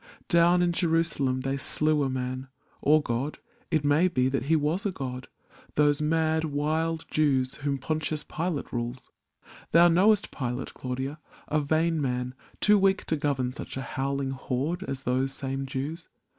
Down in Jerusalem they slew a man, Or god — it may be that he was a god — Those mad, wild Jews whom Pontius Pilate rules. Thou knowest Pilate, Claudia — a vain man, Too weak to govern such a howling horde As those same Jews.